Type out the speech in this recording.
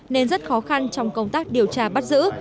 nên rất khó khăn trong công tác điều tra bắt giữ